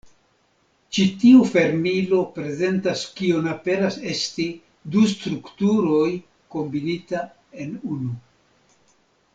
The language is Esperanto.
Ĉi tiu fermilo prezentas kion aperas esti du strukturoj kombinita en unu.